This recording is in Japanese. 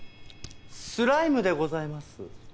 スライムでございます。